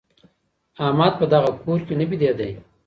احمد په دغه کور کي نه بېدېدی.